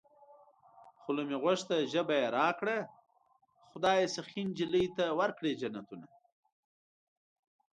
خوله مې غوښته ژبه يې راکړه خدايه سخي نجلۍ ته ورکړې جنتونه